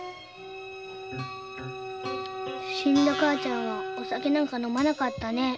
死んだ母ちゃんはお酒なんか飲まなかったね。